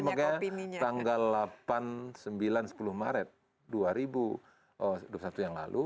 makanya tanggal delapan sembilan sepuluh maret dua ribu dua puluh satu yang lalu